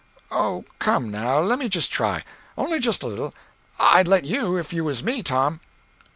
Oh come, now—lemme just try. Only just a little—I'd let you, if you was me, Tom."